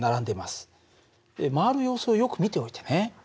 回る様子をよく見ておいてね。